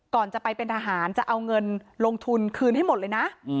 ก่อนจะไปเป็นทหารจะเอาเงินลงทุนคืนให้หมดเลยนะ